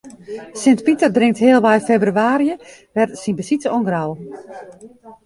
Sint Piter bringt healwei febrewaarje wer syn besite oan Grou.